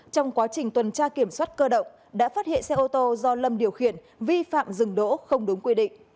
trong quá trình tuần tra kiểm soát cơ động đã phát hiện xe ô tô do lâm điều khiển vi phạm dừng đỗ không đúng quy định